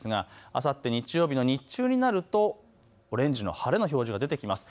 あさって日曜日の日中になるとオレンジの晴れの表示が出てきます。